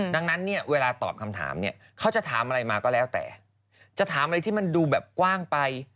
ดังนั้นเนี่ยเวลาตอบคำถามเนี่ยเขาจะถามอะไรมาก็แล้วแต่จะถามอะไรที่มันดูแบบกว้างไป